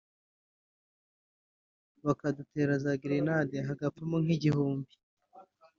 bakadutera za gerenade hagapfamo nk’igihumbi